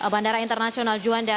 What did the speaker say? bandara internasional juanda